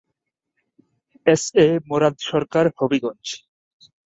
S A Murad Sarkar, Habiganj.